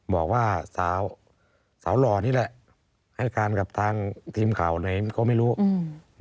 บอกว่าสาวสาวหล่อนี่แหละให้การกับทางทีมข่าวไหนก็ไม่รู้อืม